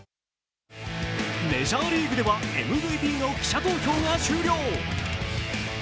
メジャーリーグではＭＶＰの記者投票が終了。